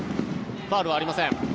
ファウルはありません。